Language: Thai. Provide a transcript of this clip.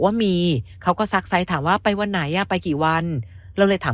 ว่ามีเขาก็ซักไซส์ถามว่าไปวันไหนอ่ะไปกี่วันเราเลยถาม